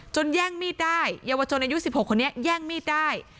แย่งมีดได้เยาวชนอายุ๑๖คนนี้แย่งมีดได้